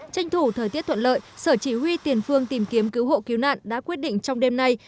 tranh thủ thời tiết thuận lợi sở chỉ huy tiền phương tìm kiếm cứu hộ cứu nạn đã quyết định trong đêm nay